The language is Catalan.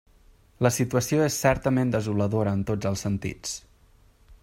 La situació és certament desoladora en tots els sentits.